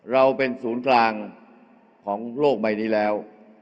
เราเป็นศูนย์กลางของโลกใบนี้แล้ว